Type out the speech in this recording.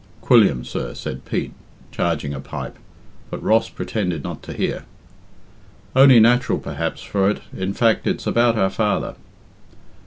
"Quilliam, sir," said Pete, charging a pipe; but Ross pretended not to hear. "Only natural, perhaps, for it in fact, it's about our father."